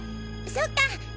そっか！